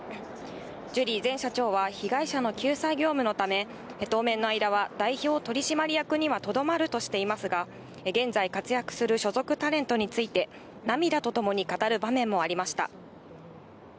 ジュリー前社長は、被害者の救済業務のため、当面の間は、代表取締役にはとどまるとしていますが、現在、活躍する所属タレントについて、涙とともに語る場面もありました。